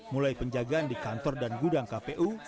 mulai penjagaan di kantor dan gudang kpu